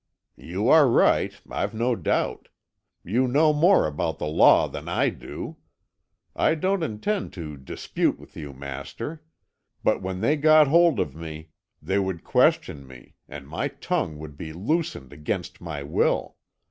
"You are right, I've no doubt; you know more about the law than I do. I don't intend to dispute with you, master. But when they got hold of me they would question me, and my tongue would be loosened against my will.